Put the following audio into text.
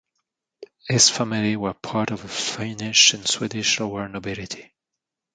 His family were part of the Finnish and Swedish lower nobility.